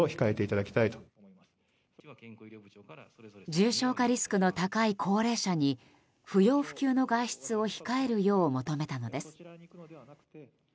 重症化リスクの高い高齢者に不要不急の外出を控えるよう求めたのです。